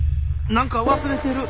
何か忘れてる。